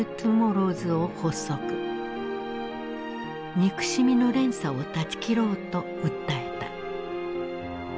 憎しみの連鎖を断ち切ろうと訴えた。